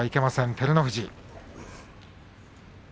照ノ富士。